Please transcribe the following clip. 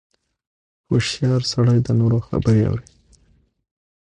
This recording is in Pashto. • هوښیار سړی د نورو خبرې اوري.